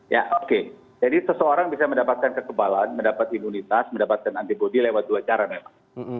ya oke jadi seseorang bisa mendapatkan kekebalan mendapat imunitas mendapatkan antibody lewat dua cara memang